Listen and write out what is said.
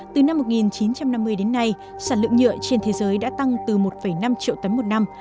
từ năm một nghìn chín trăm năm mươi đến nay sản lượng nhựa trên thế giới đã tăng từ một năm triệu tấn một năm